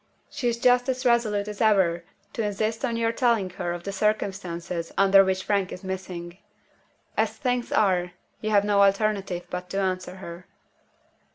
She is just as resolute as ever to insist on your telling her of the circumstances under which Frank is missing. As things are, you have no alternative but to answer her."